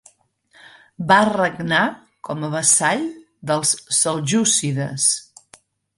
Va regnar com a vassall dels seljúcides.